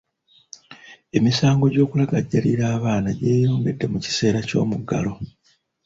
Emisango gy'okulagajjalira abaana gyeyongedde mu kiseera k'yomuggalo.